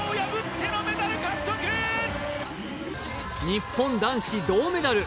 日本男子銅メダル。